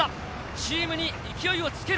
チームに勢いをつける。